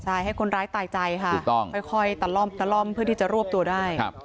ใช่ให้คนร้ายตายใจค่ะค่อยตะล่อมตะล่อมเพื่อที่จะรวบตัวได้